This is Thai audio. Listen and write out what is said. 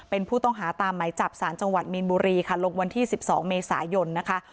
เป็นผู้ต้องหาตามไหมจับสารจังหวัดมีนบุรีค่ะลงวันที่๑๒เมษายนนะคะ